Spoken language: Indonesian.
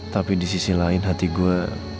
tapi disisi lain hati gue